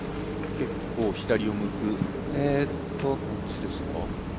結構、左を向く感じですか。